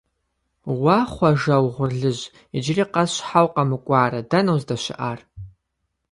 Уэ, Хъуэжэ угъурлыжь, иджыри къэс щхьэ укъэмыкӀуарэ, дэнэ уздэщыӀар?